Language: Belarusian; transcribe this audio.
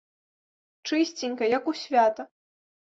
Чысценька, як у свята.